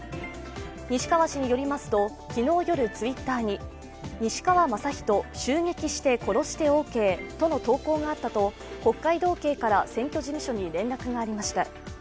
西川氏によりますと昨日夜、Ｔｗｉｔｔｅｒに西川将人襲撃して殺してＯＫと投稿があったと北海道警から選挙事務所に連絡がありました。